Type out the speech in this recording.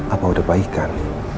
apa udah baikan